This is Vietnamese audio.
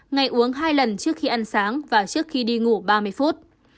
ngày uống hai lần trước khi ăn sáng và trước khi đi ngủ ba mươi phút